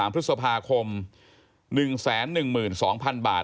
พฤษภาคม๑๑๒๐๐๐บาท